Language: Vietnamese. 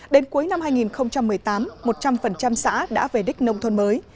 đến cuối năm hai nghìn một mươi tám một trăm linh xã đã về đích nông thôn mới